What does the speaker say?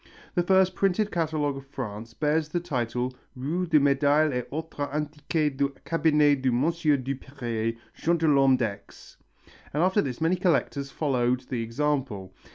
The first printed catalogue of France bears the title, Roole des medailles et autre antiquitez du cabinet de Monsieur Duperier, gentilhomme d'Aix, and after this many collectors follow the example.